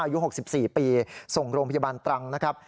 อายุหกสิบสี่ปีส่งโรงพยาบาลตรังนะครับ